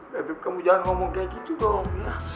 habib kamu jangan ngomong kayak gitu dong